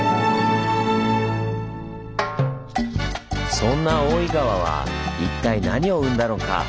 そんな大井川は一体何を生んだのか？